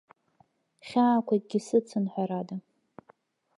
Хьаақәакгьы сыцын, ҳәарада.